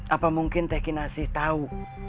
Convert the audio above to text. apa mungkin teh kinasih tahu